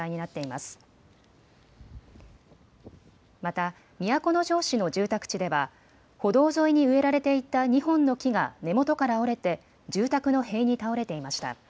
また都城市の住宅地では歩道沿いに植えられていた２本の木が根元から折れて住宅の塀に倒れていました。